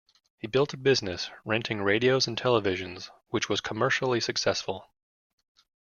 He built a business renting radios and televisions, which was commercially successful.